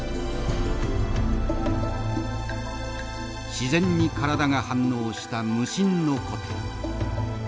自然に体が反応した無心の小手。